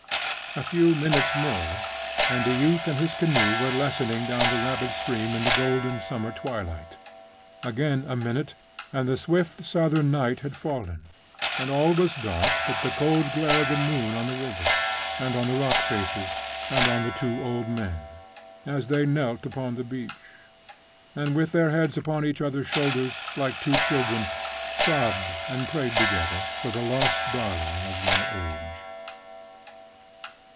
A few minutes more, and the youth and his canoe were lessening down the rapid stream in the golden summer twilight. Again a minute, and the swift southern night had fallen, and all was dark but the cold glare of the moon on the river, and on the rock faces, and on the two old men, as they knelt upon the beach, and with their heads upon each other's shoulders, like two children, sobbed and prayed together for the lost darling of their age.